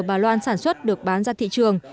bà loan sản xuất được bán ra thị trường